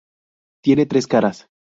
Tiene tres caras.